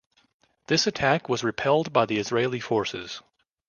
This attack was repelled by the Israeli forces.